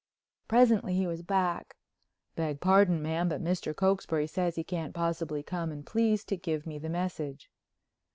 Presently he was back. "Beg pardon, ma'am, but Mr. Cokesbury says he can't possibly come and please to give me the message."